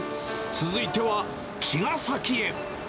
続いては、茅ヶ崎へ。